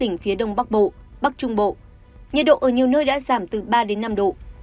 tỉnh phía đông bắc bộ bắc trung bộ nhiệt độ ở nhiều nơi đã giảm từ ba đến năm độ